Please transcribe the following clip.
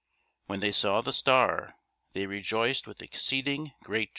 When they saw the star, they rejoiced with exceeding great joy.